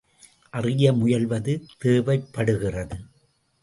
அறிய முயல்வது தேவைப்படுகிறது.